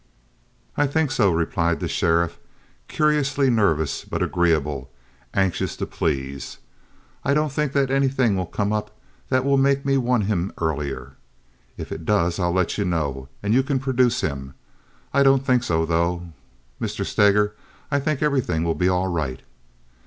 "I think so," replied the sheriff, curiously nervous, but agreeable, anxious to please. "I don't think that anything will come up that will make me want him earlier. If it does I'll let you know, and you can produce him. I don't think so, though, Mr. Steger; I think everything will be all right."